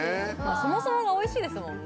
そもそもがおいしいですもんね。